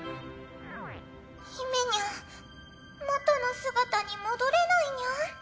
ひめにゃん元の姿に戻れないニャン？